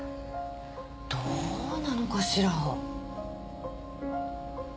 どうなのかしら。